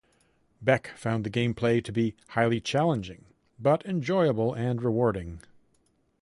Beck found the gameplay to be "highly challenging" but enjoyable and rewarding.